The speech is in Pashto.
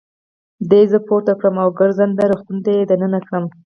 دوی زه پورته کړم او ګرځنده روغتون ته يې دننه کړم.